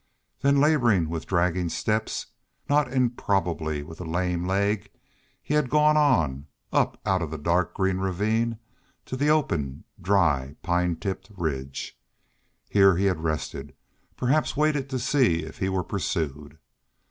Then laboring with dragging steps, not improbably with a lame leg, he had gone on, up out of the dark green ravine to the open, dry, pine tipped ridge. Here he had rested, perhaps waited to see if he were pursued.